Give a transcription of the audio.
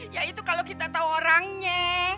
ya itu kalau kita tau orangnya